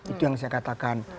itu yang saya katakan